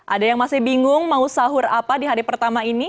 ada yang masih bingung mau sahur apa di hari pertama ini